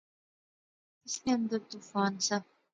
اس نے اندر طوفان سا